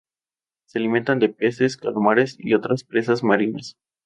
Se alimentan de peces, calamares y otras presas marinas.